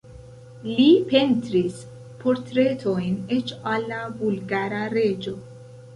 Li pentris portretojn eĉ al la bulgara reĝo.